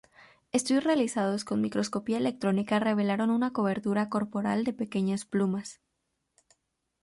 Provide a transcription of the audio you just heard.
Estudios realizados con microscopía electrónica revelaron una cobertura corporal de pequeñas plumas.